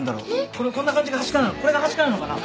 このこんな感じがはしかなのこれがはしかなのかな。